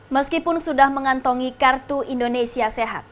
meskipun sudah mengantongi kartu indonesia sehat